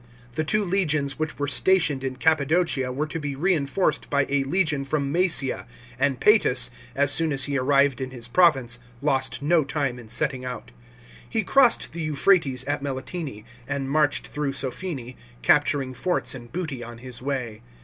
The two legions * which were stationed in Cappadocia were to be reinforced by a legion from Mcesia,f and Psetus, as soon as he arrived in his province, lost no time in setting out. He crossed the Euphrates at Melitene, and marched through Sophene, capturing forts and booty on his way.